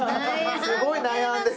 すごい悩んで。